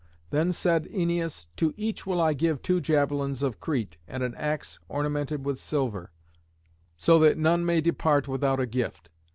Then said Æneas, "To each will I give two javelins of Crete and an axe ornamented with silver, so that none may depart without a gift.